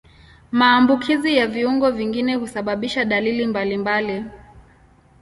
Maambukizi ya viungo vingine husababisha dalili mbalimbali.